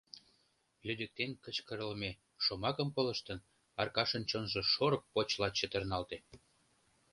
Лӱдыктен кычкырлыме шомакым колыштын, Аркашын чонжо шорык почла чытырналте.